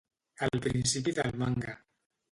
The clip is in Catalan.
Al principi del manga.